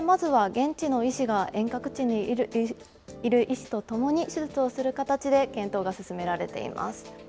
そこでまずは現地の医師が遠隔地にいる医師と共に、手術をする形で、検討が進められています。